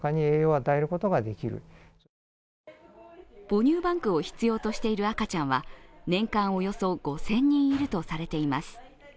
母乳バンクを必要としている赤ちゃんは年間およそ５０００人いるとされています。